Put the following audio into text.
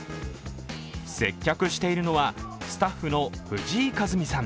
接客しているのはスタッフの藤井和美さん。